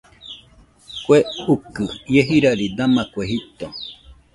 Kue ukɨ ie jirari dama kue jito.